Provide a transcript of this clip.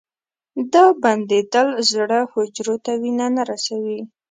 دا بندېدل زړه حجرو ته وینه نه رسوي.